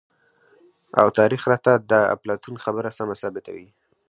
او تاريخ راته د اپلاتون خبره سمه ثابته وي،